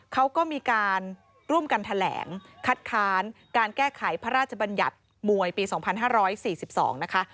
เขาก็มีการร่วมกันแถลงคัดค้านการแก้ไขพระราชบัญญัติมวยปี๒๕๔๒นะคะ